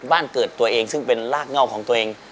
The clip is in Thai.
บ้านเกิดตัวเองซึ่งเป็นรากเง่าของตัวเอง